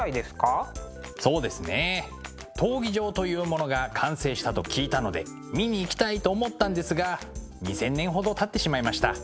そうですね闘技場というものが完成したと聞いたので見に行きたいと思ったんですが２，０００年ほどたってしまいました。